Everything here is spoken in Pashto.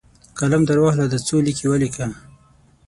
قلم درواخله ، دا څو لیکي ولیکه!